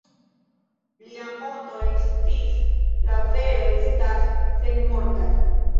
Lia moto estis "La vero estas senmorta".